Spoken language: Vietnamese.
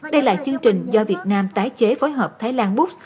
đây là chương trình do việt nam tái chế phối hợp thái lan books